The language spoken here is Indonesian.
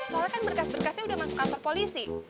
soalnya kan berkas berkasnya udah masuk kantor polisi